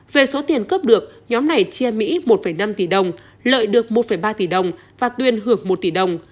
về số tiền cướp được nhóm này chia mỹ một năm tỷ đồng lợi được một ba tỷ đồng và tuyên hưởng một tỷ đồng